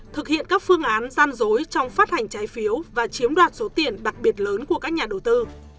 thực hiện các phương án gian dối trong phát hành trái phiếu và chiếm đoạt số tiền đặc biệt lớn của các nhà đầu tư